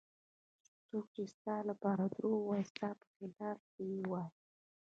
څوک چې ستا لپاره دروغ وایي ستا په خلاف یې وایي.